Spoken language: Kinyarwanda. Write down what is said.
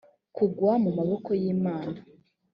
kugwa mu maboko y imana